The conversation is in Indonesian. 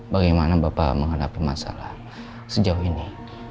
bagaimana bapak menghadapi masalah sejauh ini